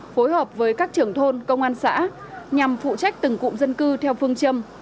phối hợp với các trưởng thôn công an xã nhằm phụ trách từng cụm dân cư theo phương châm